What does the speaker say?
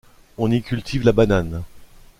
On y cultive la banane.